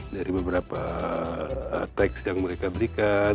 dari beberapa teks yang mereka berikan